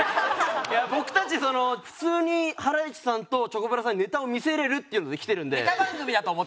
いや僕たち普通にハライチさんとチョコプラさんにネタを見せれるっていうので来てるんで。